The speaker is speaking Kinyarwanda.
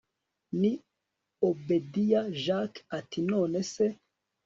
ni obedia jack ati nonese